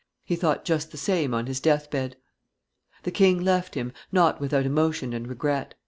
He thought just the same on his death bed. The king left him, not without emotion and regret.